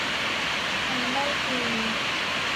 ทำได้จริง